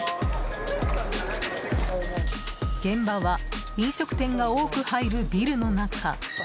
現場は飲食店が多く入るビルの中。